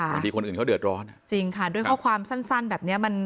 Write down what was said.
บางทีคนอื่นเขาเดือดร้อนอ่ะจริงค่ะด้วยข้อความสั้นแบบเนี้ยมัน